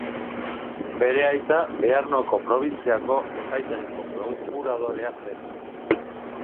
Bere aita Bearnoko probintziako epaitegiko prokuradorea zen.